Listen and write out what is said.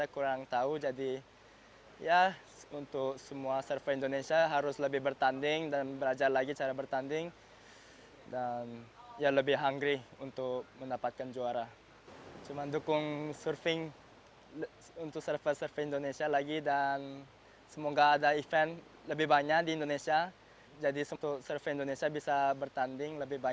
kamu harus datang ke sini untuk merasakannya sendiri